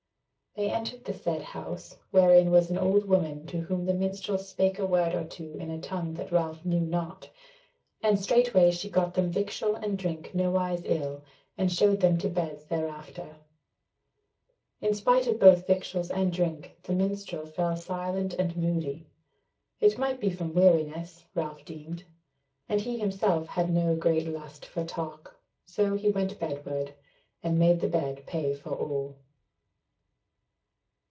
They entered the said house, wherein was an old woman to whom the minstrel spake a word or two in a tongue that Ralph knew not, and straightway she got them victual and drink nowise ill, and showed them to beds thereafter. In spite of both victuals and drink the minstrel fell silent and moody; it might be from weariness, Ralph deemed; and he himself had no great lust for talk, so he went bedward, and made the bed pay for all.